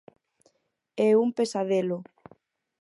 E un pesadelo...